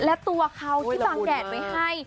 และตัวเขาที่บางแดดไว้ให้